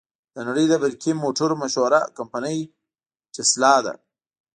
د نړې د برقی موټرو مشهوره کمپنۍ ټسلا ده.